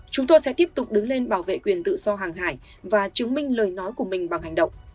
chúng tôi sẽ tiếp tục đứng lên bảo vệ quyền tự do hàng hải và chứng minh lời nói của mình bằng hành động